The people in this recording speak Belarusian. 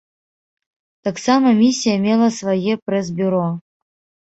Таксама місія мела свае прэс-бюро.